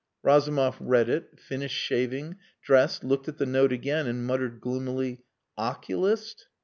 Razumov read it, finished shaving, dressed, looked at the note again, and muttered gloomily, "Oculist."